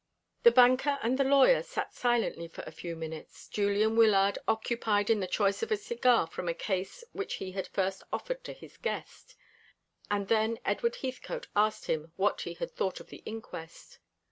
The banker and the lawyer sat silently for a few minutes, Julian Wyllard occupied in the choice of a cigar from a case which he had first offered to his guest; and then Edward Heathcote asked him what he thought of the inquest.